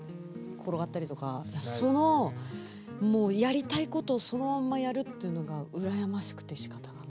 転がったりとかそのもうやりたいことをそのままやるっていうのがうらやましくてしかたがない。